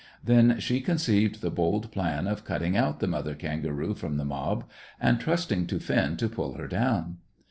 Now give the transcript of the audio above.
Then she conceived the bold plan of "cutting out" the mother kangaroo from the mob, and trusting to Finn to pull her down.